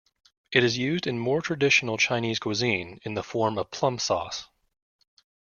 It is used in more traditional Chinese cuisine in the form of plum sauce.